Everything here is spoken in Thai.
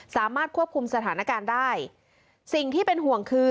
สามารถควบคุมสถานการณ์ได้สิ่งที่เป็นห่วงคือ